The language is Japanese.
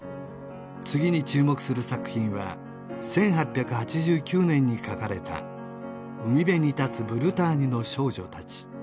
次に注目する作品は１８８９年に描かれた「海辺に立つブルターニュの少女たち」